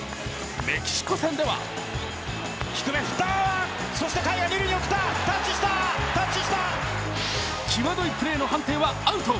メキシコ戦では際どいプレーの判定はアウト。